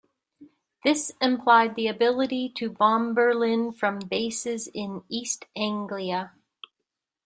This implied the ability to bomb Berlin from bases in East Anglia.